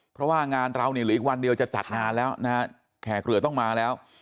เพราะว่างานเราเนี่ยเหลืออีกวันเดียวจะจัดงานแล้วนะฮะแขกเรือต้องมาแล้ว